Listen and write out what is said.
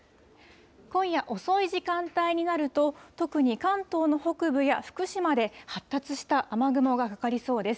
今夜遅い時間帯になると、特に関東の北部や福島で発達した雨雲がかかりそうです。